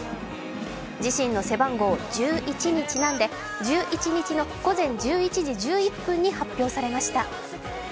自身の背番号１１にちなんで１１日の午前１１時１１分に発表されました。